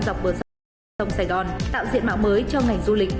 dọc bờ sông sài gòn tạo diện mạo mới cho ngành du lịch